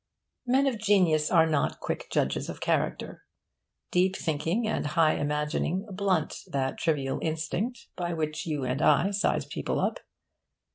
Men of genius are not quick judges of character. Deep thinking and high imagining blunt that trivial instinct by which you and I size people up.